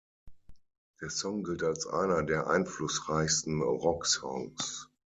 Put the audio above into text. Der Song gilt als einer der einflussreichsten Rocksongs.